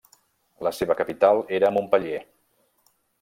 La seva capital era Montpeller.